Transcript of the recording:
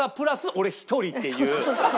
俺１人っていう。